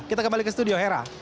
kita kembali ke studio hera